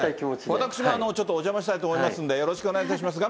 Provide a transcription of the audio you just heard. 私もちょっとお邪魔したいと思いますんで、よろしくお願いい